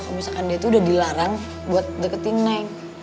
kalau misalkan dia itu udah dilarang buat deketin neng